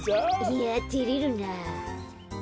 いやてれるなあ。